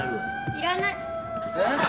いらない。